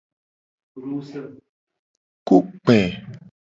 Ku kpe.